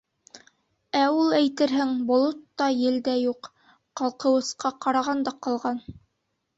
Ә ул, әйтерһең, болот та, ел дә юҡ, ҡалҡыуысҡа ҡараған да ҡалған.